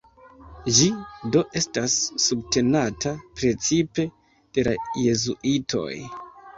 Ĝi do estas subtenata precipe de la Jezuitoj.